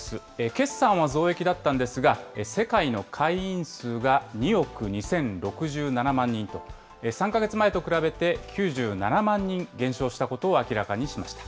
決算は増益だったんですが、世界の会員数が２億２０６７万人と、３か月前と比べて９７万人減少したことを明らかにしました。